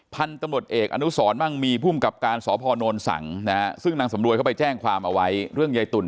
พันธุ์ตำรวจเอกอนุสรมั่งมีภูมิกับการสพนสังนะฮะซึ่งนางสำรวยเขาไปแจ้งความเอาไว้เรื่องยายตุ๋น